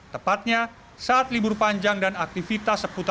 tepatnya saat libur panjang dan aktivitas seputar